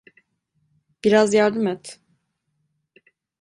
Biraz yardım et.